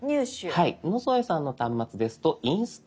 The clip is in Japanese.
野添さんの端末ですと「インストール」。